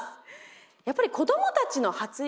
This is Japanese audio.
やっぱり子どもたちの発育と免疫